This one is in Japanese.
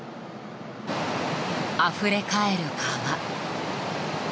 あふれかえる川。